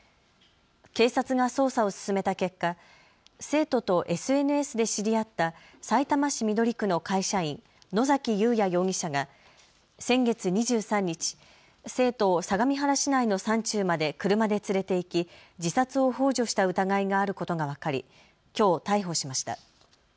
警察が捜査を進めた結果、生徒とＳＮＳで知り合ったさいたま市緑区の会社員、野崎祐也容疑者が先月２３日、生徒を相模原市内の山中まで車で連れて行き自殺をほう助した疑いがあることが分かりきょう逮捕しました。